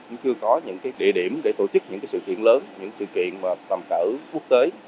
chúng tôi có những cái địa điểm để tổ chức những cái sự kiện lớn những sự kiện mà tầm cỡ quốc tế